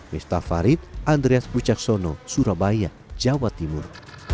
mesta farid andreas puceksono surabaya jawa timur